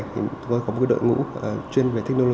thì chúng tôi có một đội ngũ chuyên về thích nuôi